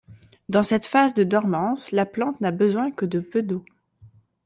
Dans cette phase de dormance, la plante n'a besoin que de peu d'eau.